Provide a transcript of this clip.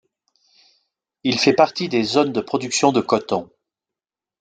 Il fait partie des zones de production de coton.